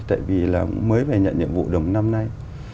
tại vì là mới phải nhận nhiệm vụ đồng năm nay